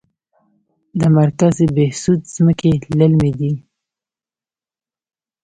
د مرکز بهسود ځمکې للمي دي